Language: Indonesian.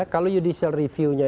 kalau judicial review nya